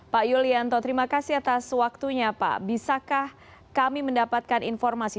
pak yulianto terima kasih atas waktunya pak bisakah kami mendapatkan informasi